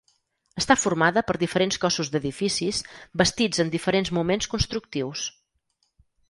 Està formada per diferents cossos d'edificis bastits en diferents moments constructius.